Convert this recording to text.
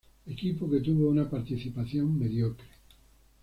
Equipo que tuvo una participación mediocre.